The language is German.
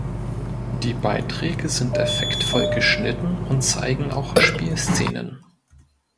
Die Beiträge sind effektvoll geschnitten und zeigen auch Spielszenen.